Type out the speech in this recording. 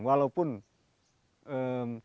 walaupun tidak menghentikan perkebunan